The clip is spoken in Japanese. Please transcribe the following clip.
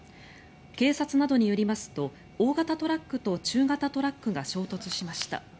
警察などによりますと大型トラックと中型トラックが衝突しました。